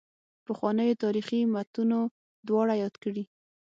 پخوانیو تاریخي متونو دواړه یاد کړي.